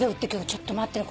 ちょっと待ってね。